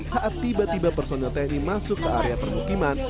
saat tiba tiba personel tni masuk ke area permukiman